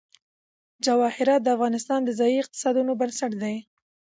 جواهرات د افغانستان د ځایي اقتصادونو بنسټ دی.